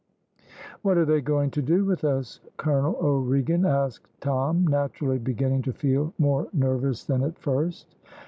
"What are they going to do with us, Colonel O'Regan?" asked Tom, naturally beginning to feel more nervous than at first.